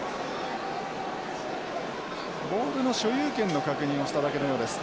ボールの所有権の確認をしただけのようです。